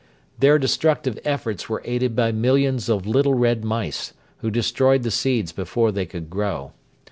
] Their destructive efforts were aided by millions of little red mice, who destroyed the seeds before they could grow.